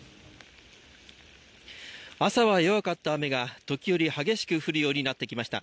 朝は弱かった雨が時折激しく降るようになってきました。